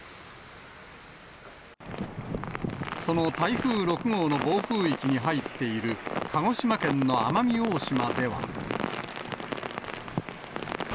その台風６号の暴風域に入っている鹿児島県の奄美大島では。